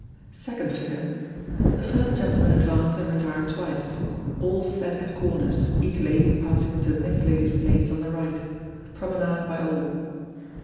Second Figure. The first gentleman advance and retire twice. All set at corners, each lady passing into the next lady's place on the right. Promenade by all.